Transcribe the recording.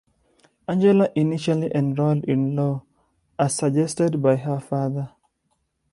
Angela initially enrolled in law, as suggested by her father.